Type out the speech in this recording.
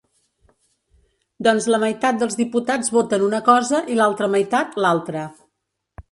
Doncs la meitat dels diputats voten una cosa i l’altra meitat, l’altra.